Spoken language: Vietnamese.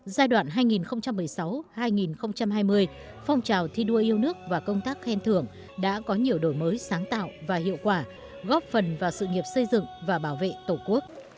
giai đoạn hai nghìn một mươi sáu hai nghìn hai mươi phong trào thi đua yêu nước và công tác khen thưởng đã có nhiều đổi mới sáng tạo và hiệu quả góp phần vào sự nghiệp xây dựng và bảo vệ tổ quốc